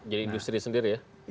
jadi industri sendiri ya